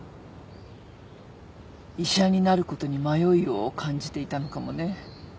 医者になる事に迷いを感じていたのかもね。